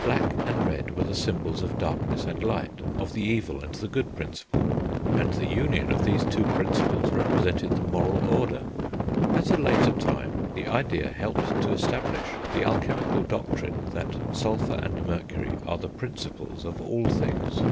Black and red were the symbols of darkness and light, of the evil and the good principle; and the union of these two principles represented the moral order. At a later time the idea helped to establish the alchemical doctrine that sulphur and mercury are the Principles of all things.